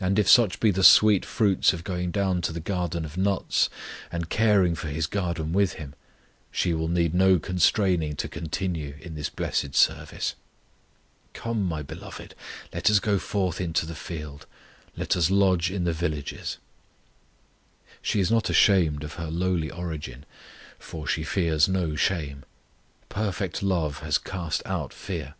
And if such be the sweet fruits of going down to the garden of nuts, and caring for His garden with Him, she will need no constraining to continue in this blessed service. Come, my Beloved, let us go forth into the field; Let us lodge in the villages. She is not ashamed of her lowly origin, for she fears no shame: perfect love has cast out fear.